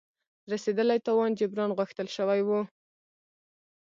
رسېدلي تاوان جبران غوښتل شوی وو.